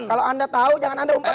kalau anda tahu jangan anda umpama